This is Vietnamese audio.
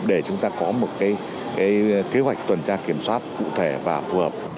để chúng ta có một kế hoạch tuần tra kiểm soát cụ thể và phù hợp